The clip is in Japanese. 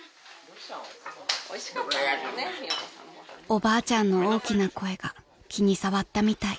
［おばあちゃんの大きな声が気に障ったみたい］